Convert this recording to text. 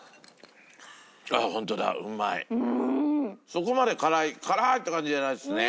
そこまで辛い辛っ！って感じじゃないですね。